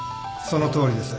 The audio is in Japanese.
そのとおりです。